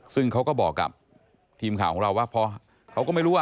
ซึ่งเขาก็บอกกับทีมข่าวของเราว่าเพราะเขาก็ไม่รู้ว่า